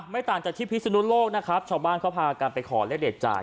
ต่างจากที่พิศนุโลกนะครับชาวบ้านเขาพากันไปขอเลขเด็ดจาก